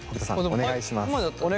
お願いします。